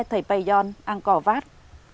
thầy pây yon an cò vát